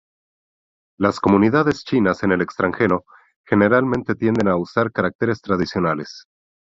Las comunidades chinas en el extranjero generalmente tienden a usar caracteres tradicionales.